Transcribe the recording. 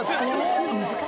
難しい。